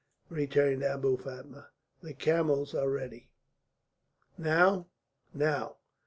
returned Abou Fatma, "the camels are ready." "Now?" "Now."